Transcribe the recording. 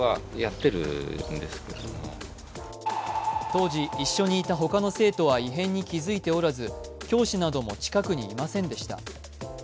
当時、一緒にいた他の生徒は異変に気づいておらず教師なども近くにいませんでした。